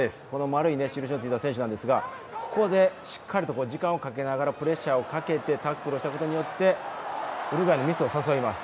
丸い印のついた選手なんですがここでしっかりと時間をかけながらプレッシャーをかけてタックルをしたことによってウルグアイのミスを誘います。